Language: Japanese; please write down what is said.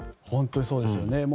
本当にそうですよね。